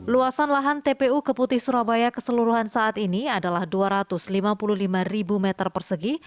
luasan lahan tpu keputih surabaya keseluruhan saat ini adalah dua ratus lima puluh lima meter persegi